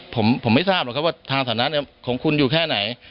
ผมไม่ทักลงว่าทางสถานะของคุณอยู่แค่ไหน